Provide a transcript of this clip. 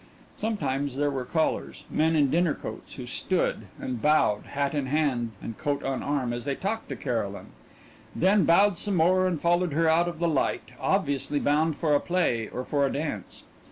Sometimes there were callers men in dinner coats, who stood and bowed, hat in hand and coat on arm, as they talked to Caroline; then bowed some more and followed her out of the light, obviously bound for a play or for a dance.